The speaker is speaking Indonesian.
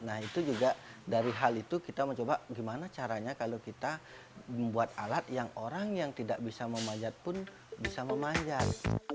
nah itu juga dari hal itu kita mencoba gimana caranya kalau kita membuat alat yang orang yang tidak bisa memanjat pun bisa memanjat